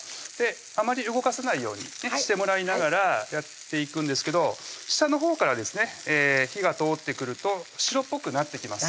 あまり動かさないようにしてもらいながらやっていくんですけど下のほうからですね火が通ってくると白っぽくなってきます